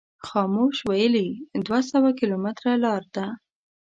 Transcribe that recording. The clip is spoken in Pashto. خاموش ویلي دوه سوه کیلومتره لار ده.